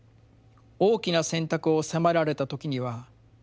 大きな選択を迫られた時には。